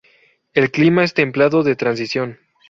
El clima es templado de transición.